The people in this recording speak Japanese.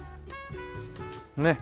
ねっ。